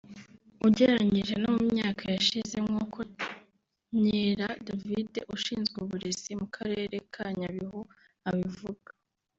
ugereranyije no mu myaka yashize nk’uko Nkera David ushinzwe uburezi mu Karere ka Nyabihu abivuga